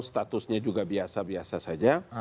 statusnya juga biasa biasa saja